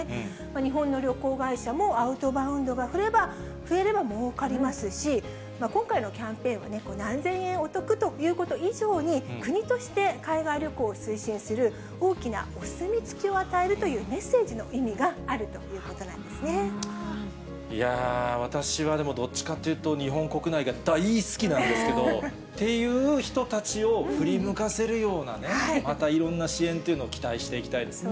日本の旅行会社も、アウトバウンドが増えれば儲かりますし、今回のキャンペーンは、何千円お得ということ以上に、国として海外旅行を推進する、大きなお墨付きを与えるというメッセージの意味があるということ私はでも、どっちかっていうと、日本国内が大好きなんですけど、っていう人たちを振り向かせるようなね、またいろんな支援というのを期待していきたいですね。